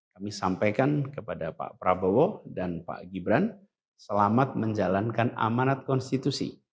kami sampaikan kepada pak prabowo dan pak gibran selamat menjalankan amanat konstitusi